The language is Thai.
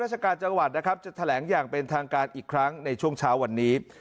ราชการจังหวัดนะครับจะแถลงอย่างเป็นทางการอีกครั้งในช่วงเช้าวันนี้